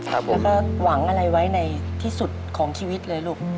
แล้วก็หวังอะไรไว้ในที่สุดของชีวิตเลยลูก